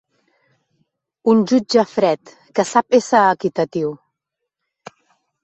Un jutge fred, que sap ésser equitatiu.